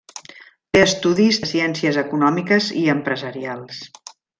Té estudis de Ciències Econòmiques i Empresarials.